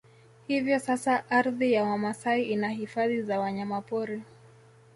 Hivyo sasa ardhi ya Wamasai ina Hifadhi za Wanyamapori